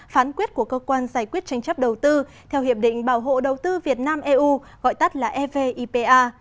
phán quyết của cơ quan giải quyết tranh chấp đầu tư theo hiệp định bảo hộ đầu tư việt nam eu gọi tắt là evipa